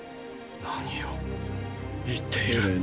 何を言っている？